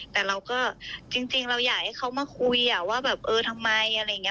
แต่เราก็จริงเราอยากให้เขามาคุยว่าแบบเออทำไมอะไรอย่างนี้